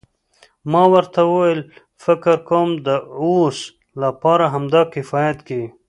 ما ورته وویل فکر کوم د اوس لپاره همدا کفایت کوي.